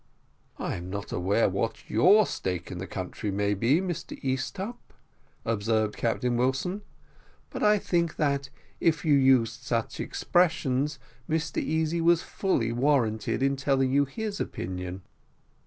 "I'm not aware what your stake in the country may be, Mr Easthupp," observed Captain Wilson, "but I think that, if you used such expressions, Mr Easy was fully warranted in telling you his opinion."